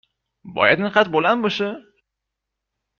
باید اینقدر بلند باشه؟